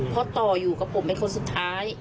เพราะต่ออยู่กับผมเป็นคนสุดท้าย